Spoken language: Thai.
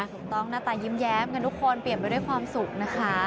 หน้าตายิ้มแย้มกันทุกคนเปลี่ยนไปด้วยความสุขนะคะ